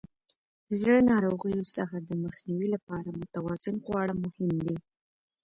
د زړه ناروغیو څخه د مخنیوي لپاره متوازن خواړه مهم دي.